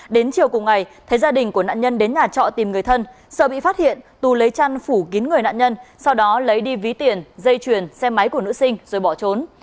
đến chiều cùng ngày thấy gia đình của nạn nhân đến nhà trọ tìm người thân sợ bị phát hiện tù lấy chăn phủ kín người nạn nhân sau đó lấy đi ví tiền dây chuyền xe máy của nữ sinh rồi bỏ trốn